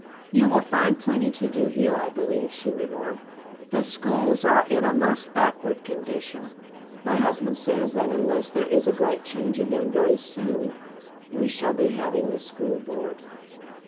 "You will find plenty to do here, I believe," she remarked. "The schools are in a most backward condition. My husband says that unless there is a great change in them very soon we shall be having the School Board."